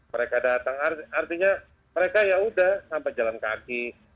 mereka datang artinya mereka ya udah sampai jalan kaki